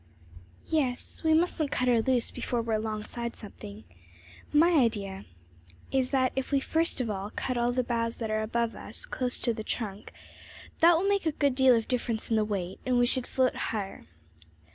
"Yes, we mustn't cut her loose before we are alongside something. My idea is that if we first of all cut off all the boughs that are above us, close to the trunk, that will make a good deal of difference in the weight, and we should float higher.